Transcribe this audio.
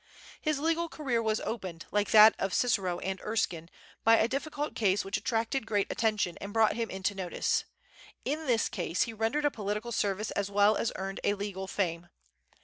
His legal career was opened, like that of Cicero and Erskine, by a difficult case which attracted great attention and brought him into notice. In this case he rendered a political service as well as earned a legal fame.